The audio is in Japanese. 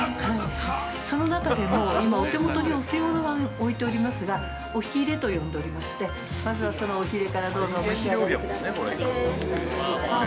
その中でも、今、お手元にお吸い物椀、置いてございますが「御鰭」と呼んでおりましてまずはその御鰭からどうぞお召し上がりくださいませ。